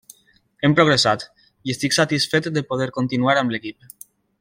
Hem progressat, i estic satisfet de poder continuar amb l'equip.